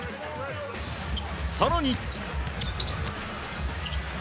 更に。